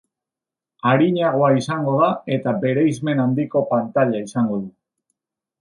Arinagoa izango da eta bereizmen handiko pantaila izango du.